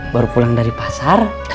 baru pulang dari pasar